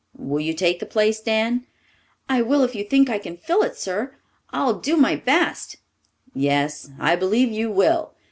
Will you take the place, Dan?" "I will if you think I can fill it, sir. I will do my best." "Yes, I believe you will.